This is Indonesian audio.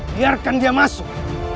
biarkan dia masuk